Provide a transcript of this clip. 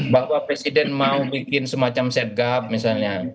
bahwa presiden mau bikin semacam setgap misalnya